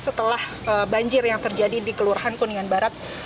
setelah banjir yang terjadi di kelurahan kuningan barat